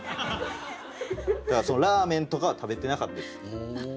だからラーメンとかは食べてなかったです。